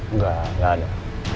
enggak enggak ada